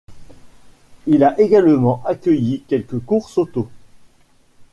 Il a également accueilli quelques courses auto.